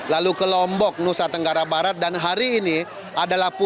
lalu ke lombok nusa tenggara barat dan hari ini adalah